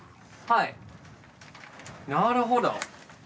はいなるほど。